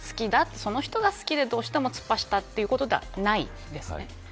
その人が好きでどうしても突っ走ったということではないんですよね。